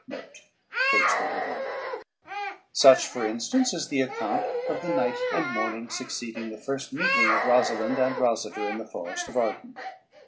" Such, for instance, is the account of the night and morning succeeding the first meeting of Rosalynde and Rosader in the Forest of Arden.